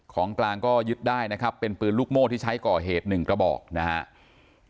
ของกลางก็ยึดได้นะครับเป็นปืนลูกโม่ที่ใช้ก่อเหตุหนึ่งกระบอกนะครับ